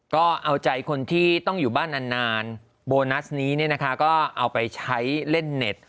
แล้วเอาใจคนที่ต้องอยู่บ้านอันนานโบนัสก็เอาไปใช้เล่นเน็ต